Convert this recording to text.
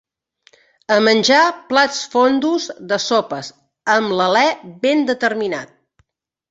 A menjar plats fondos de sopes, am l'alè ben determinat